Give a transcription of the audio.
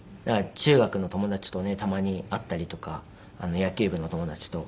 中学の友達とねたまに会ったりとか野球部の友達と。